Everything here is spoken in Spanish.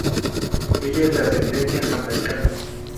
Ella es de ascendencia jamaicana.